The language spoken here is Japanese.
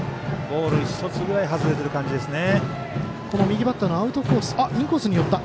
ボール１つぐらい外れてる感じですね。